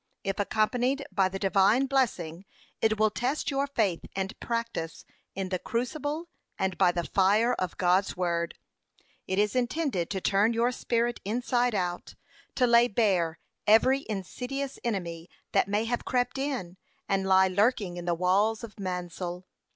If accompanied by the Divine blessing, it will test your faith and practice in the crucible and by the fire of God's word. It is intended to turn your spirit inside out to lay bare every insidious enemy that may have crept in and lie lurking in the walls of Mansoul.